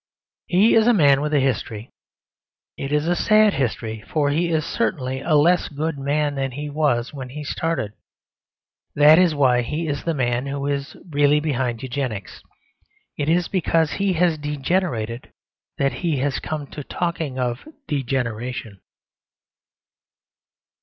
He is a man with a history. It is a sad history, for he is certainly a less good man than he was when he started. That is why he is the man who is really behind Eugenics. It is because he has degenerated that he has come to talking of Degeneration.